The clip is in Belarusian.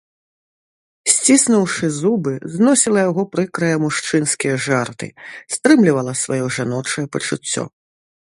Сціснуўшы зубы зносіла яго прыкрыя мужчынскія жарты, стрымлівала сваё жаночае пачуццё.